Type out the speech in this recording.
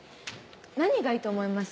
何がいいと思います？